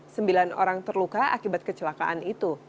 sembilan orang terluka akibat kecelakaan itu